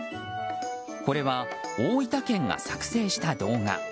これは大分県が作成した動画。